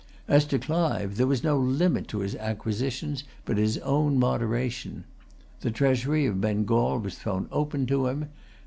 As to Clive, there was no limit to his acquisitions but his own moderation. The treasury of Bengal was thrown open to him.